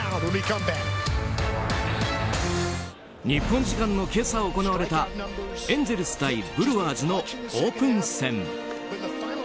日本時間の今朝行われたエンゼルス対ブルワーズのオープン戦。